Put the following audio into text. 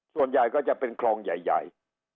ส่วนใหญ่ก็จะเป็นคลองใหญ่